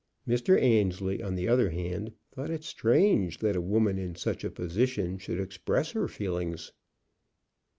Mr. Annesley, on the other hand, thought it strange that a woman in such a position should express her feelings.